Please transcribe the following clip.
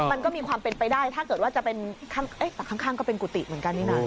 มันก็มีความเป็นไปได้ถ้าเกิดว่าจะเป็นแต่ข้างก็เป็นกุฏิเหมือนกันนี่นะ